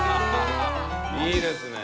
いいですね。